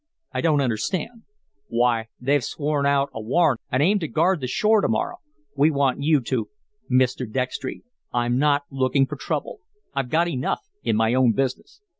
"I don't understand." "Why, they've swore out a warrant an' aim to guard the shore to morrow. We want you to " "Mr. Dextry, I'm not looking for trouble. I get enough in my own business."